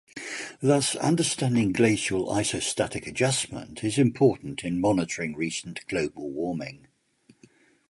Thus understanding glacial isostatic adjustment is important in monitoring recent global warming.